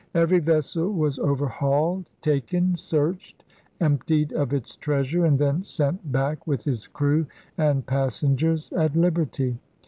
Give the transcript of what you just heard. Every vessel was overhauled, taken, searched, emptied of its treasure, and then sent back with its crew and passengers at liberty.